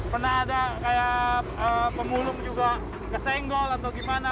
pernah ada kayak pemulung juga kesenggol atau gimana